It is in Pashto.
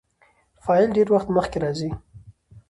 فاعل ډېرى وخت مخکي راځي.